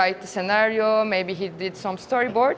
dia menulis skenario mungkin dia membuat beberapa storyboard